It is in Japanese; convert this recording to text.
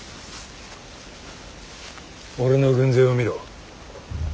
俺の軍勢を見ろ。